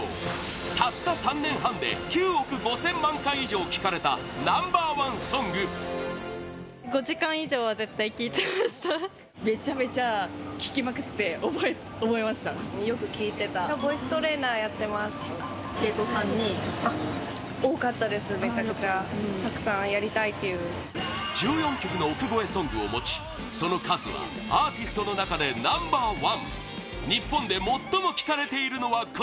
たった３年半で９億５０００万回以上聴かれたナンバー１ソング１４曲の億超えソングを持ちその数はアーティストの中でナンバー１